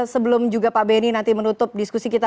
sebelum juga pak benny nanti menutup diskusi kita